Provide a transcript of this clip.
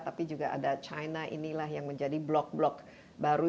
tapi juga ada china inilah yang menjadi blok blok baru